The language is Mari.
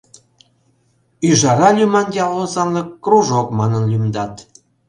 «Ӱжара» лӱман ял озанлык кружок манын лӱмдат.